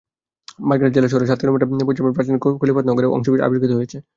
বাগেরহাট জেলা শহরের সাত কিলোমিটার পশ্চিমে প্রাচীন খলিফতাবাদ নগরের অংশবিশেষ আবিষ্কৃত হয়েছে।